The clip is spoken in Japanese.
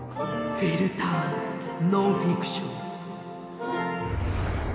『フィルター・ノンフィクション』。